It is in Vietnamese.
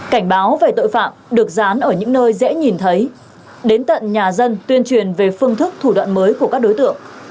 cảnh báo về tội phạm được dán ở những nơi dễ nhìn thấy đến tận nhà dân tuyên truyền về phương thức thủ đoạn mới của các đối tượng